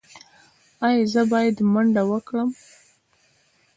ایا زه باید منډه وکړم؟